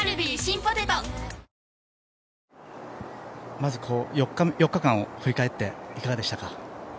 まず４日間を振り返っていかがでしたか？